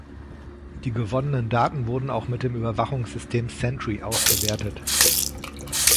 Die gewonnenen Daten wurden auch mit dem Überwachungssystem Sentry ausgewertet.